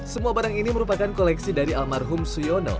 semua barang ini merupakan koleksi dari almarhum suyono